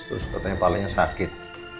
terus katanya palanya sakit